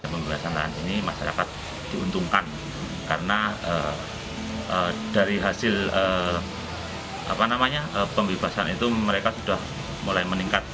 pembebasan lahan ini masyarakat diuntungkan karena dari hasil pembebasan itu mereka sudah mulai meningkat